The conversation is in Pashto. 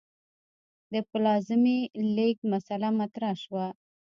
د پلازمې لېږد مسئله مطرح شوه.